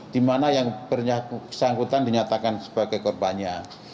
dimana yang bersangkutan dinyatakan sebagai korbannya